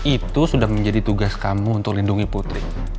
itu sudah menjadi tugas kamu untuk lindungi putri